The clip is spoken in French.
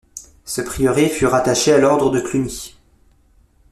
Ce prieuré fut rattaché à l'Ordre de Cluny.